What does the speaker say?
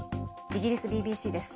イギリスＢＢＣです。